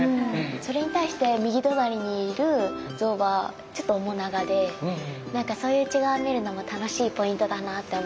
それに対して右隣にいる像はちょっと面長でなんかそういう違いを見るのも楽しいポイントだなって思いますね。